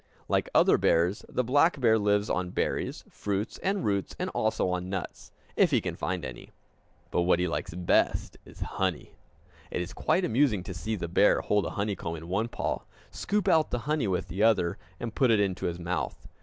Like other bears, the black bear lives on berries, fruits, and roots, and also on nuts, if he can find any. But what he likes best is honey! It is quite amusing to see the bear hold a honeycomb in one paw, scoop out the honey with the other, and put it into his mouth.